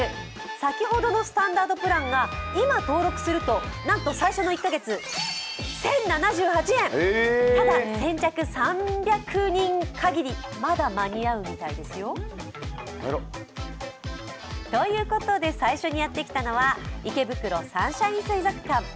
先ほどのスタンダードプランが今、登録するとなんと最初の１カ月、１０７８円、ただ、先着３００人限り、まだ間に合うみたいですよ。ということで、最初にやってきたのは池袋サンシャイン水族館。